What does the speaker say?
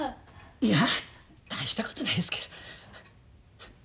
いや大したことないですけど。